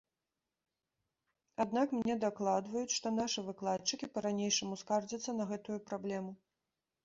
Аднак мне дакладваюць, што нашы выкладчыкі па-ранейшаму скардзяцца на гэтую праблему.